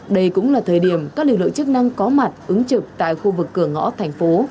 đây cũng là thời điểm các lực lượng chức năng có mặt ứng trực tại khu vực cửa ngõ thành phố